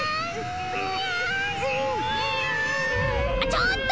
ちょっと！